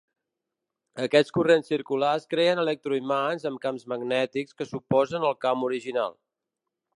Aquests corrents circulars creen electroimants amb camps magnètics que s'oposen al camp original.